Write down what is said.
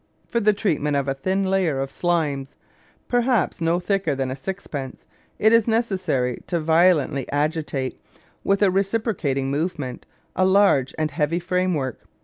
For the treatment of a thin layer of slimes, perhaps no thicker than a sixpence, it is necessary to violently agitate, with a reciprocating movement, a large and heavy framework.